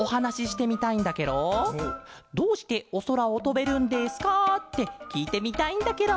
「どうしておそらをとべるんですか？」ってきいてみたいんだケロ。